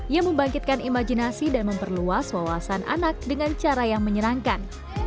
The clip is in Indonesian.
yang membangkitkan imajinasi dan memperluas wawasan anak dengan cara yang menyerangkan